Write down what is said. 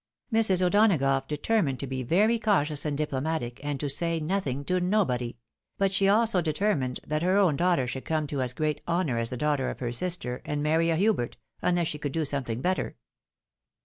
Mrs. O'Donagough determined to be very cautious and diplomatic, and to " say nothing to nobody ;" but she also determined that her own daughter should come to as great honour as the daughter of her sister, and marry a Hubert .— unless she could do something better.